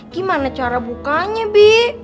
gimana cara bukanya bi